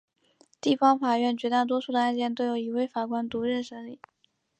地方法院绝大多数的案件都由一位法官独任审理。